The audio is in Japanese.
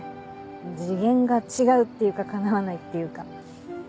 次元が違うっていうかかなわないっていうか。